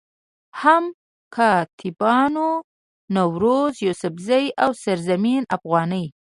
هم کاتبانو نوروز يوسفزئ، او سرزمين افغاني